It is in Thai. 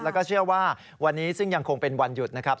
แล้วก็เชื่อว่าวันนี้ซึ่งยังคงเป็นวันหยุดนะครับ